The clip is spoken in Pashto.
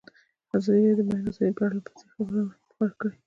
ازادي راډیو د د بیان آزادي په اړه پرله پسې خبرونه خپاره کړي.